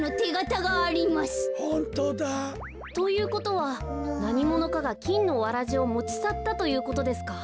ホントだ。ということはなにものかがきんのわらじをもちさったということですか？